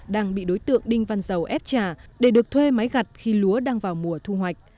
đang bị đối tượng đinh văn dầu ép trả để được thuê máy gặt khi lúa đang vào mùa thu hoạch